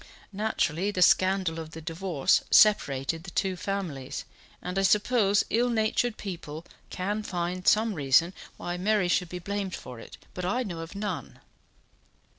Naturally, the scandal of the divorce separated the two families; and I suppose ill natured people can find some reason why Mary should be blamed for it, but I know of none."